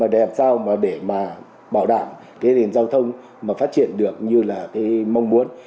để bảo đảm giao thông phát triển được như mong muốn